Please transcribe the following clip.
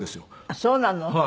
あっそうなの。